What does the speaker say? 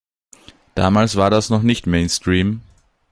Damals war das noch nicht Mainstream.